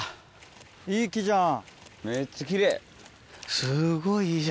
いい木じゃん。